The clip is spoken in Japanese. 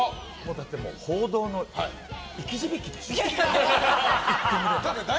だって報道の生き字引でしょ。